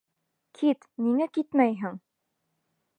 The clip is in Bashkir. Кит, ниңә китмәйһең?